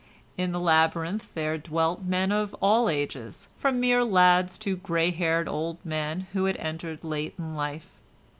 In the labyrinth there dwelt men of all ages, from mere lads to grey haired old men who had entered late in life.